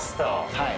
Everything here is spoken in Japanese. はい。